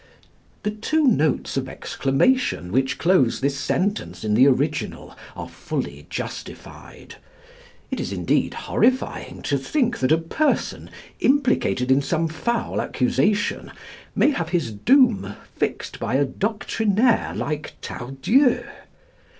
The two notes of exclamation which close this sentence in the original are fully justified. It is indeed horrifying to think that a person, implicated in some foul accusation, may have his doom fixed by a doctrinaire like Tardieu.